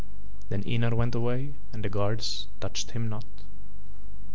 Then Ynar went away and the guards touched him not.